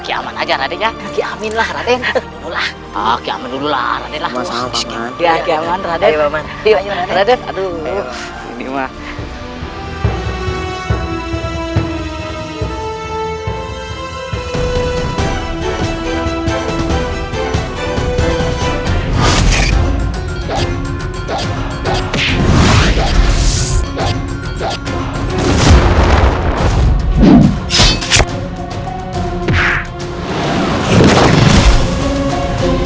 keamanan aja adeknya keamin lah raden ah oke amin dulu lah adalah masalahnya ya keamanan